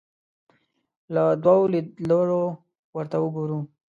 له دوو لیدلوریو ورته وګورو